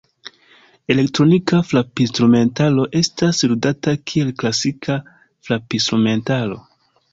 Elektronika frapinstrumentaro estas ludata kiel klasika frapinstrumentaro.